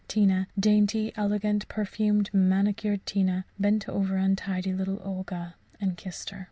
Tina dainty, elegant, perfumed, manicured Tina bent over untidy little Olga and kissed her.